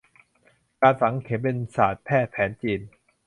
การฝังเข็มเป็นศาสตร์แพทย์แผนจีน